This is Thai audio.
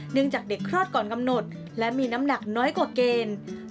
จากเด็กคลอดก่อนกำหนดและมีน้ำหนักน้อยกว่าเกณฑ์